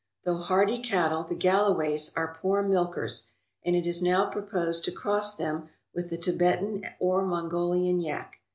Though hardy cattle, the Galloways are poor milkers, and it is now proposed to cross them with the Tibetan or Mongolian yak.